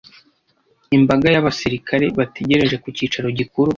Imbaga y'abasirikare bategereje ku cyicaro gikuru